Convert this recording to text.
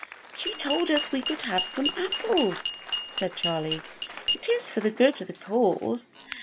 "She told us we could have some apples," said Charley. "It is for the good of the cause.